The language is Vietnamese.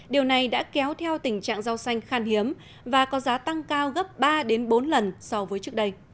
điều này đã kéo theo tình trạng rau xanh khan hiếm và có giá tăng cao gấp ba bốn lần so với trước đây